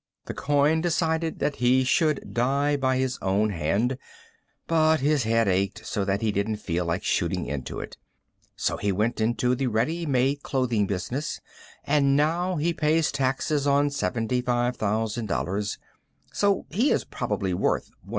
The coin decided that he should die by his own hand, but his head ached so that he didn't feel like shooting into it. So he went into the ready made clothing business, and now he pays taxes on $75,000, so he is probably worth $150,000.